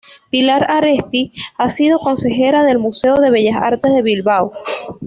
Pilar Aresti ha sido consejera del Museo de Bellas Artes de Bilbao.